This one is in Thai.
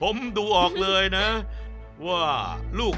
ผมดูออกเลยนะว่าลูกเล็กเนี่ยมันสุกทั่วทั้งลูก